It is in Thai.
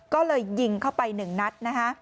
ก็เลยยิงเข้าไปหนึ่งนัดนะคะ